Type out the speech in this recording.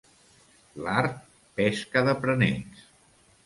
L'art, pesca d'aprenents.